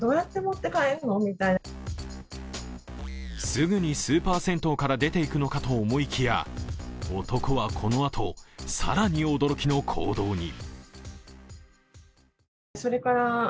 すぐにスーパー銭湯から出ていくのかと思いきや男はこのあと、更に驚きの行動に。